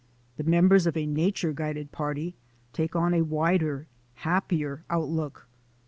The members of a nature guided party take on a wider, happier outlook.